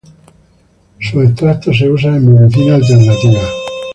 Sus extractos se usan en medicina alternativa.